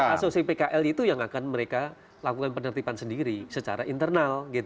asosiasi pkl itu yang akan mereka lakukan penertiban sendiri secara internal